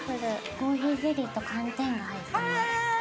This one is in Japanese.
コーヒーゼリーと寒天が入ってます。